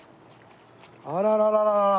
あらららら。